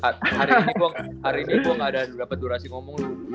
hari ini gue gak ada berapa durasi ngomong lu